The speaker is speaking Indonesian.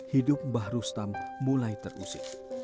hidup mbah rustam mulai terusik